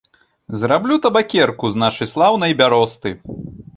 Зраблю табакерку з нашай слаўнай бяросты.